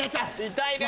痛いね。